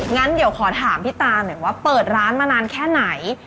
งั้นเดี๋ยวขอถามพี่ตาหน่อยว่าเปิดร้านมานานแค่ไหน